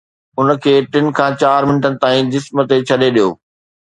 ان کي ٽن کان چار منٽن تائين جسم تي ڇڏي ڏيو